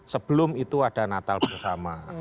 sebelum itu ada natal bersama